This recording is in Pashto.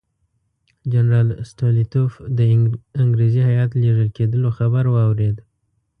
جنرال سټولیتوف د انګریزي هیات لېږل کېدلو خبر واورېد.